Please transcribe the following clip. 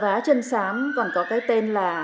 vọt trà vá chân sám còn có cái tên là